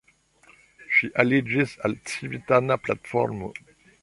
Ŝi aliĝis al Civitana Platformo.